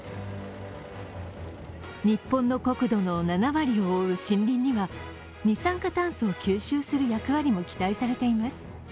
日本の国土の７割を覆う森林には二酸化炭素を吸収する役割も期待されています。